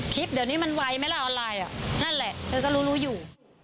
พิษเดี๋ยวนี้มันไวไหมละอะไรนั่นแหละเค้าก็รู้อยู่